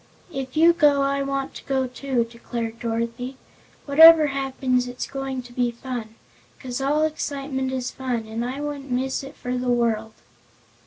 "If you go I want to go, too," declared Dorothy. "Whatever happens it's going to be fun 'cause all excitement is fun and I wouldn't miss it for the world!"